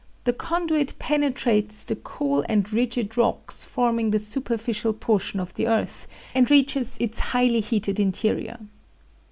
The conduit penetrates the cool and rigid rocks forming the superficial portion of the earth, and reaches its highly heated interior.